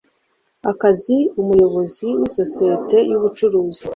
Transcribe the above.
akazi umuyobozi mu isosiyete y’ubucuruzi